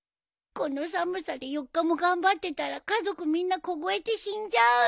この寒さで４日も頑張ってたら家族みんな凍えて死んじゃうよ。